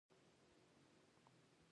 ارشیف ولې ساتل کیږي؟